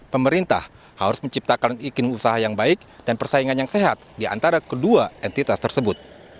pemerintah harus menciptakan iklim usaha yang baik dan persaingan yang sehat di antara kedua entitas tersebut